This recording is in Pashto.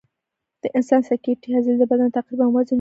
د انسان سکلیټي عضلې د بدن تقریباً وزن جوړوي.